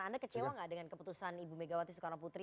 anda kecewa nggak dengan keputusan ibu megawati soekarnoputri